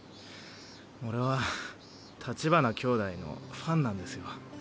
俺は立花兄弟のファンなんですよ。